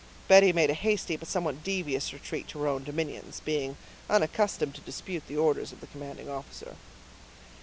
Betty made a hasty but somewhat devious retreat to her own dominions, being unaccustomed to dispute the orders of the commanding officer.